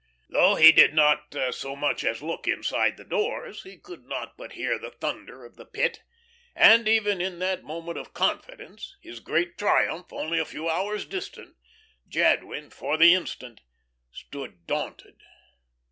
Though he did not so much as look inside the doors, he could not but hear the thunder of the Pit; and even in that moment of confidence, his great triumph only a few hours distant, Jadwin, for the instant, stood daunted.